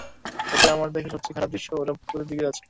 এটা আমার দেখা সবচেয়ে খারাপ দৃশ্য, ওরা পুকুরের দিকে যাচ্ছে।